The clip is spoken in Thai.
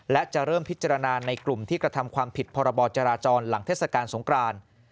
และจะเริ่มพิจารณาในกลุ่มที่กระทำความผิดพรบจราจรหลังเทศกาลสงคราน